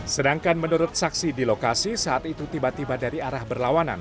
sedangkan menurut saksi di lokasi saat itu tiba tiba dari arah berlawanan